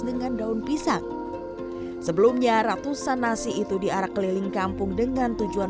dengan daun pisang sebelumnya ratusan nasi itu diarak keliling kampung dengan tujuan